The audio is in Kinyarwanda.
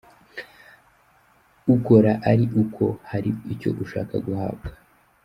Ukora ari uko hari icyo ushaka guhabwa.